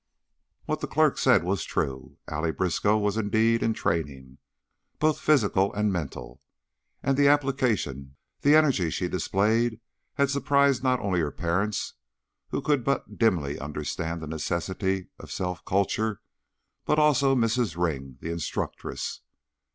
What the clerk said was true. Allie Briskow was indeed in training, both physical and mental, and the application, the energy she displayed had surprised not only her parents, who could but dimly understand the necessity of self culture, but also Mrs. Ring, the instructress.